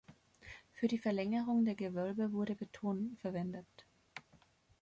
Für die Verlängerung der Gewölbe wurde Beton verwendet.